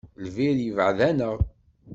Lbir yebɛed-aneɣ.